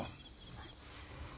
はい。